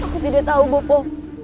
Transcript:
aku tidak tahu bopo